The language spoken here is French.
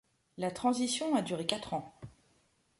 La transition a duré quatre ans.